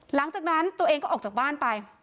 หลังจากนั้นตัวเองก็ออกจากบ้านไป